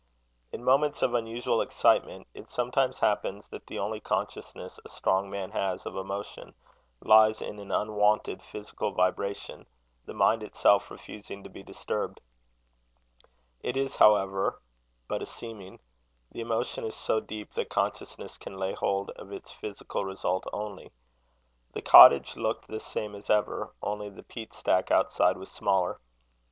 In moments of unusual excitement, it sometimes happens that the only consciousness a strong man has of emotion, lies in an unwonted physical vibration, the mind itself refusing to be disturbed. It is, however, but a seeming: the emotion is so deep, that consciousness can lay hold of its physical result only. The cottage looked the same as ever, only the peat stack outside was smaller.